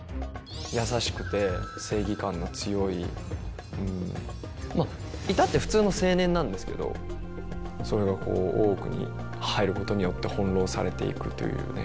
優しくて正義感の強いまあ至って普通の青年なんですけどそれがこう大奥に入ることによって翻弄されていくというね。